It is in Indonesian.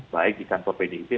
baik di kantor pdi